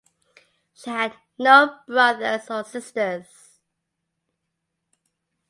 She had no brothers or sisters.